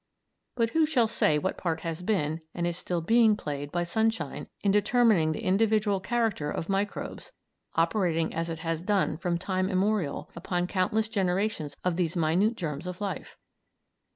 But who shall say what part has been, and is being still, played by sunshine in determining the individual character of microbes, operating as it has done from time immemorial upon countless generations of these minute germs of life?